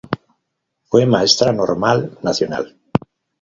Fue maestra normal nacional.